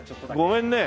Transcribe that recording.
ごめんね。